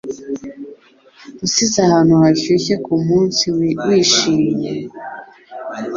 Usize ahantu hashyushye k'umunsi wishimye,